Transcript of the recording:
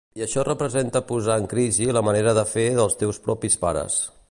I això representa posar en crisi la manera de fer dels teus propis pares.